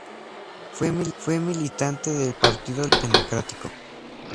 Fue militante del Partido Liberal Democrático.